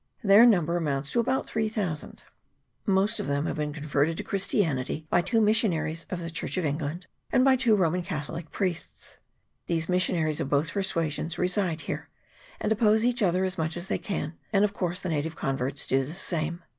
Their number amounts to about three thousand. Most of them have been converted to Christianity by two missionaries of the Church of England and by two Roman Catholic priests. The missionaries of both persuasions reside here, and oppose each other as much as they can, and of course the native converts do the same.